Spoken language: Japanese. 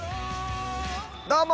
どうも！